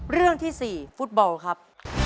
เรื่องที่๔ฟุตบอลครับ